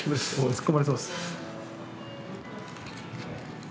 突っ込まれそうです。